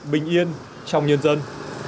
bình yên trong nhân dân